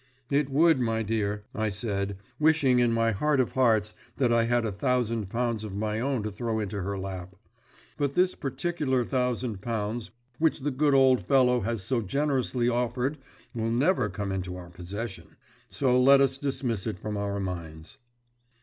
"It would, my dear," I said, wishing in my heart of hearts that I had a thousand pounds of my own to throw into her lap. "But this particular thousand pounds which the good old fellow has so generously offered will never come into our possession. So let us dismiss it from our minds."